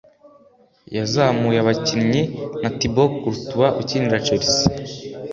yazamuye abakinnyi nka Thibault Courtois ukinira Chelsea